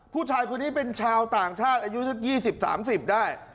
ผู้ชายคนนี้เป็นชาวต่างชาติอายุสัก๒๐๓๐ได้